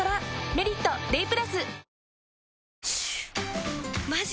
「メリット ＤＡＹ＋」